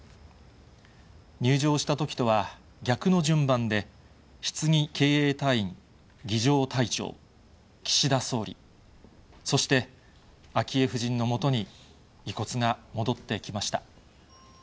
入場したときとは逆の順番で、ひつぎ警衛隊員、儀じょう隊長、岸田総理、そして昭恵夫人のもとに遺骨が戻ってきました。